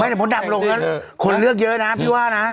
ไม่แต่ผมดำลงแล้วคนเลือกเยอะนะพี่ว่านะ